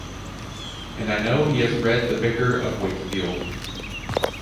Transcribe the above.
And I know he has read the Vicar of Wakefield.